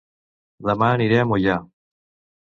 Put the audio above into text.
Dema aniré a Moià